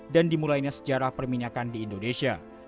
dan dimulainya sejarah perminyakan di indonesia